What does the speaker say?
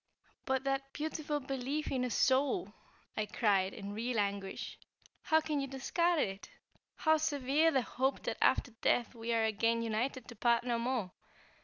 "But that beautiful belief in a soul," I cried, in real anguish, "How can you discard it? How sever the hope that after death, we are again united to part no more?